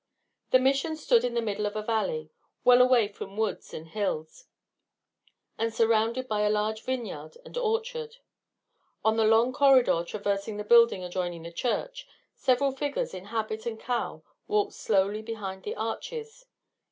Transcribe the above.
The Mission stood in the middle of a valley, well away from woods and hills, and surrounded by a large vineyard and orchard. On the long corridor traversing the building adjoining the church, several figures in habit and cowl walked slowly behind the arches.